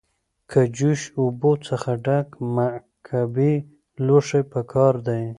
له جوش اوبو څخه ډک مکعبي لوښی پکار دی.